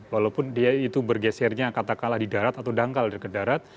walaupun dia itu bergesernya katakanlah di darat atau dangkal dan ke darat